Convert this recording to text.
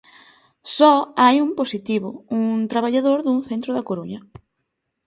Só hai un positivo, un traballador dun centro da Coruña.